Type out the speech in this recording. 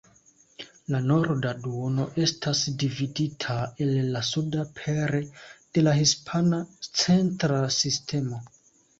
La norda duono estas dividita el la suda pere de la Hispana Centra Sistemo.